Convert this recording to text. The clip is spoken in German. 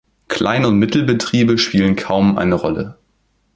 Klein- und Mittelbetriebe spielen kaum eine Rolle.